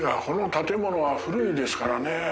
この建物は古いですからね。